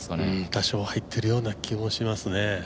多少入っているような気もしますね。